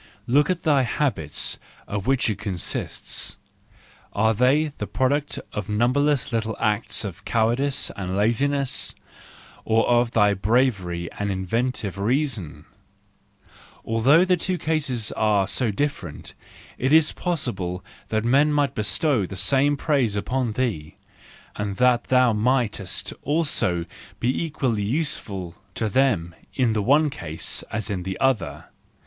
Look at thy habits of which it consists: are they the product of numberless little acts of cowardice and laziness, or of thy bravery and inventive reason ? Although the two cases are so different, it is possible that men might bestow the same praise upon thee, and that thou mightst also be equally useful to them in the one case as in the other.